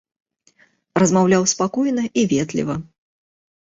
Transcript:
Размаўляў спакойна і ветліва.